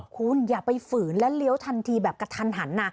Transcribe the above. คุณอย่าไปฝืนและเลี้ยวทันทีแบบกระทันหันนะ